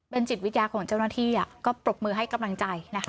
เป็นจิตวิทยาของเจ้าหน้าที่ก็ปรบมือให้กำลังใจนะคะ